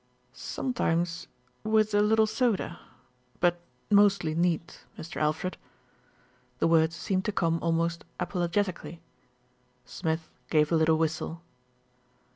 "Sometimes with a little soda; but mostly neat, Mr. Alfred." The words seemed to come almost apolo getically. Smith gave a little whistle.